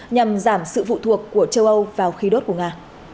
nhằm giảm sự phụ thuộc của châu âu vào khí đốt của nga